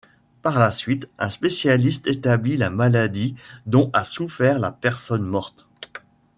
Par la suite, un spécialiste établit la maladie dont a souffert la personne morte.